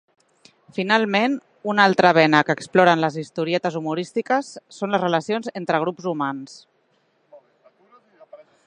Finalment, una altra vena que exploren les historietes humorístiques són les relacions entre grups humans.